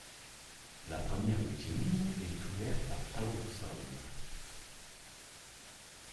La première usine est ouverte à Towson.